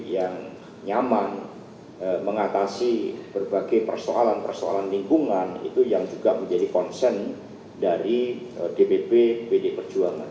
yang nyaman mengatasi berbagai persoalan persoalan lingkungan itu yang juga menjadi concern dari dpp pd perjuangan